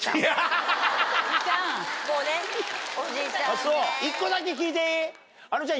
あっそう１個だけ聞いていい？